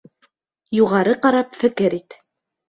Юғары ҡарап фекер ит